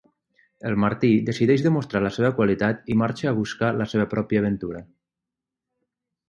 El Martí decideix demostrar la seva qualitat i marxa a buscar la seva pròpia aventura.